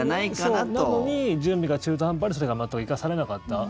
なのに、準備が中途半端でそれが全く生かされなかった。